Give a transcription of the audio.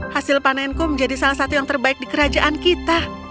hasil panenku menjadi salah satu yang terbaik di kerajaan kita